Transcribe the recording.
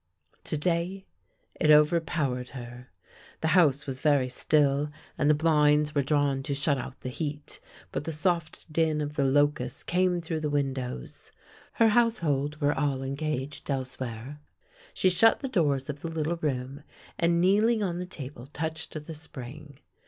To day it overpowered her. The house was very THE LANE THAT HAD NO TURNING 47 still and the blinds were drawn to shut out the heat, but the soft din of the locusts came through the win dows. Her household were all engaged elsewhere. She shut the doors of the little room, and kneeling on the table touched the spring.